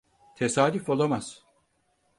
Tesadüf olamaz.